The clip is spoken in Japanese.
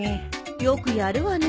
よくやるわね。